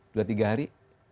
dua tiga hari